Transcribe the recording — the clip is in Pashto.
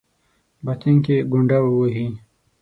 باطن کې ګونډه ووهي.